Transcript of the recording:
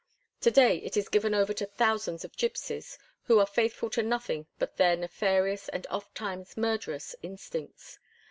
To day it is given over to thousands of gypsies, who are faithful to nothing but their nefarious and ofttimes murderous instincts.